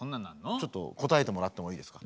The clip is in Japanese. ちょっと答えてもらってもいいですか？